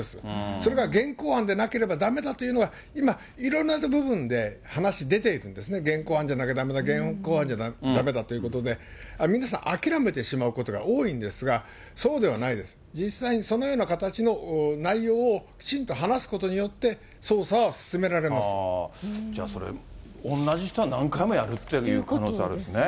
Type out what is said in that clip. それが現行犯でなければだめだというのは、今、いろんな部分で、話出てるんですね、現行犯じゃなきゃだめだ、現行犯じゃなきゃだめだということで、皆さん、諦めてしまうことが多いんですが、そうではないです、実際にそのような形の内容をきちんと話すことによって、じゃあ、それ、同じ人が何回もやるっていう可能性あるんですね。